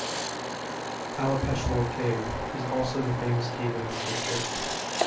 Alapeshwar cave is also the famous cave of this district.